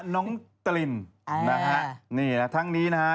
ตั้งชื่อว่าน้องตรินอ่านี่นะทั้งนี้นะฮะ